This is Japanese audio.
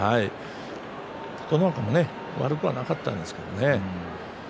琴ノ若も悪くはなかったんですけどね。